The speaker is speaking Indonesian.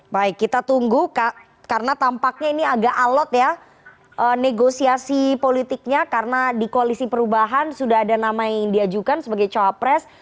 baik kita tunggu karena tampaknya ini agak alot ya negosiasi politiknya karena di koalisi perubahan sudah ada nama yang diajukan sebagai cawapres